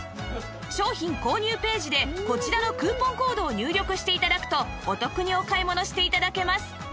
商品購入ページでこちらのクーポンコードを入力して頂くとお得にお買い物して頂けます